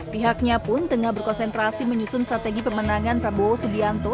pihaknya pun tengah berkonsentrasi menyusun strategi pemenangan prabowo subianto